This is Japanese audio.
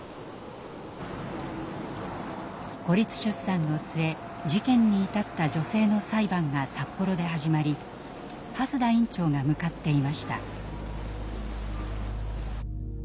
孤立出産の末事件に至った女性の裁判が札幌で始まり蓮田院長が向かっていました。